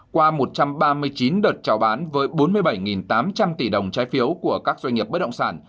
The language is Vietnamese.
qua một trăm ba mươi chín đợt trao bán với bốn mươi bảy tám trăm linh tỷ đồng trái phiếu của các doanh nghiệp bất động sản